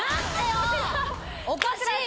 おかしい！